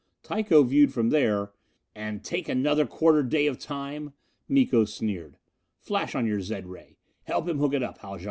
Tycho, viewed from there " "And take another quarter day of time?" Miko sneered. "Flash on your zed ray; help him hook it up, Haljan."